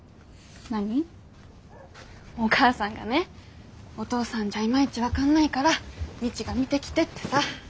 お母さんがねお父さんじゃいまいち分かんないから未知が見てきてってさ。